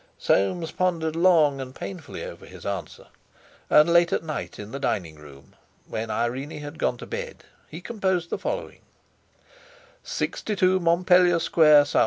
Soames pondered long and painfully over his answer, and late at night in the dining room, when Irene had gone to bed, he composed the following: "62, MONTPELLIER SQUARE, S.W.